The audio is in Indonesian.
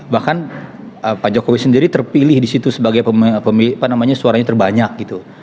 bahkan pak jokowi sendiri terpilih di situ sebagai pemilih apa namanya suaranya terbanyak gitu